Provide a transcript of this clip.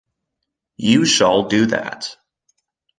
You shall do that.